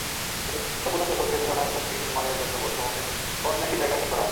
গুরুত্বপূর্ণ তথ্য হচ্ছে, মিলনায়তনটি নির্মাণের জন্য প্রথমে অন্য একটি জায়গা ঠিক করা হয়।